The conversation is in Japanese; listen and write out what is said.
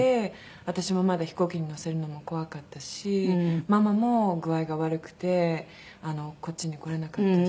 私もまだ飛行機に乗せるのも怖かったしママも具合が悪くてこっちに来れなかったし。